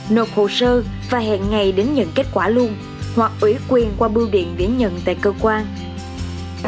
nộp hồ sơ và hẹn ngày đến nhận kết quả luôn hoặc ủy quyền qua bưu điện biển nhận tại cơ quan